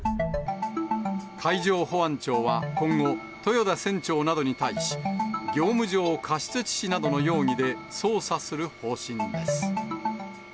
海上保安庁は今後、豊田船長などに対し、業務上過失致死などの容疑で捜査する方針です。